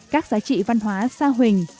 các giá trị văn hóa xa huỳnh